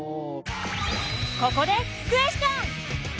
ここでクエスチョン！